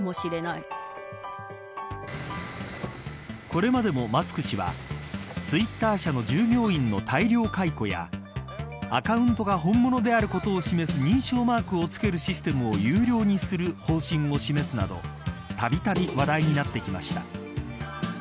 これまでもマスク氏はツイッター社の従業員の大量解雇やアカウントが本物であることを示す認証マークを付けるシステムを有料にする方針を示すなどたびたび話題になってきました。